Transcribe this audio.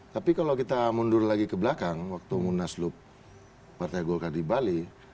tapi kalau kita mundur lagi ke belakang waktu munaslup partai golkar di bali